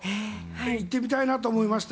行ってみたいなと思いました。